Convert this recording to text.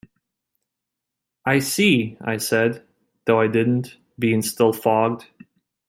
"I see," I said, though I didn't, being still fogged.